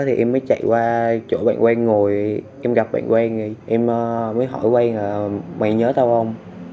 thì em mới chạy qua chỗ bạn quang ngồi em gặp bạn quang thì em mới hỏi quang là mày nhớ tao không